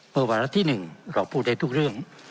วาระที่๑เราพูดได้ทุกเรื่อง